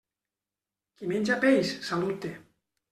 Qui menja peix, salut té.